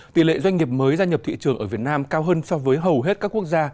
tỷ lệ doanh nghiệp mới gia nhập thị trường ở việt nam cao hơn so với hầu hết các quốc gia